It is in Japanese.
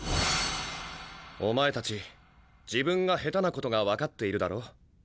お前たち自分が下手なことが分かっているだろう？